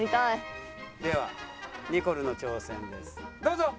ではニコルの挑戦ですどうぞ。